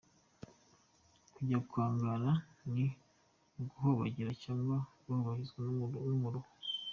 Kujya kwa Ngara ni uguhobagira cyangwa guhobagizwa n’umuruho.